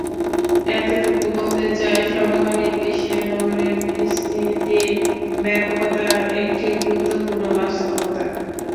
এতটুকু বলতে চাই, সমকালীন বিশ্বে নগরের বিস্তৃতির ব্যাপকতা একটি গুরুত্বপূর্ণ বাস্তবতা।